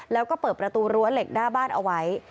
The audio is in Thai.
แล้วก็เปิดประตูรั้วเหล็กหน้าบ้านเอาไว้